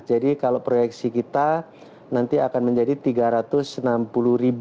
jadi kalau proyeksi kita nanti akan menjadi rp tiga ratus enam puluh